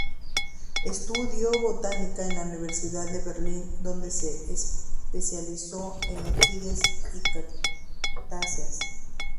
Estudió botánica en la Universidad de Berlín, donde se especializó en orquídeas y cactáceas.